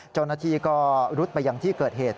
เจ้าหน้าที่ก็รุดไปยังที่เกิดเหตุ